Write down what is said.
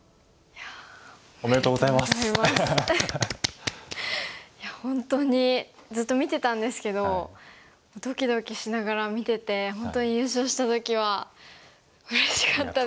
いや本当にずっと見てたんですけどドキドキしながら見てて本当に優勝した時はうれしかったですね。